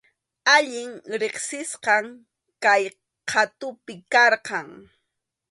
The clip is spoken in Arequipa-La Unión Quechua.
Allin riqsisqam kay qhatupi karqan.